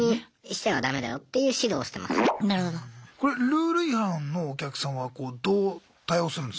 ルール違反のお客さんはどう対応するんですか？